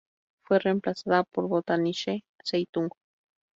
Fue reemplazada por "Botanische Zeitung.